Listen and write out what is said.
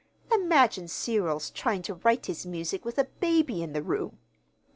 Imagine Cyril's trying to write his music with a baby in the room!